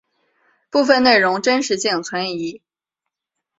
部分内容真实性存疑。